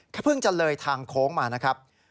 ถ้าพึ่งจะเลยทางโโภมานะครับ